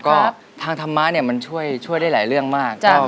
ก็ทางธรรมะเนี่ยมันช่วยได้หลายเรื่องมาก